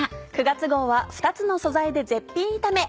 ９月号は２つの素材で絶品炒め。